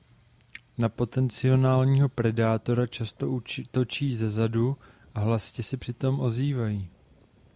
Na potenciálního predátora často útočí ze vzduchu a hlasitě se přitom ozývají.